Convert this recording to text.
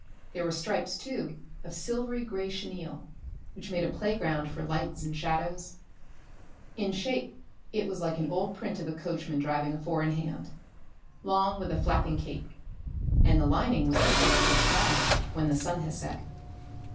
There were stripes too of silvery grey chenil which made a play ground for lights and shadows. In shape it was like an old print of a coachman driving a four in hand, long with a flapping cape, and the lining was the colour of the sky when the sun has set.